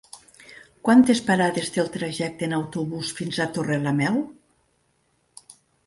Quantes parades té el trajecte en autobús fins a Torrelameu?